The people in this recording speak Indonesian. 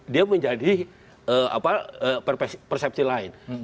dia menjadi persepsi lain